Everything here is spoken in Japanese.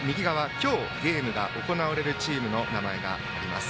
今日ゲームが行われるチームの名前があります。